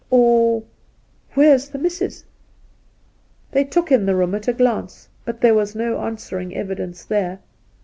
' Or Where's the missis ?' They took in the room at a glance ; but there was no answering evidence there.